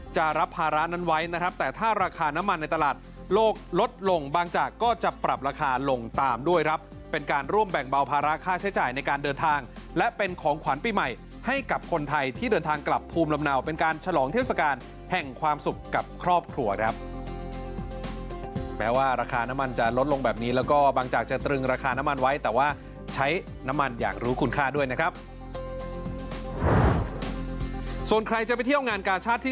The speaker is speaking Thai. จะรับภาระนั้นไว้นะครับแต่ถ้าราคาน้ำมันในตลาดโลกลดลงบางจากก็จะปรับราคาลงตามด้วยครับเป็นการร่วมแบ่งเบาภาระค่าใช้จ่ายในการเดินทางและเป็นของขวัญปีใหม่ให้กับคนไทยที่เดินทางกลับภูมิลำเนาเป็นการฉลองเที่ยวสการแห่งความสุขกับครอบครัวครับแม้ว่าราคาน้ำมันจะลดลงแบบนี้แล้วก็บางจ